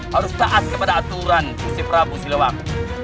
harus taat kepada aturan gusti prabu siliwangi